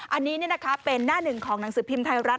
อันนี้เป็นหน้าหนึ่งของหนังสือพิมพ์ไทยรัฐ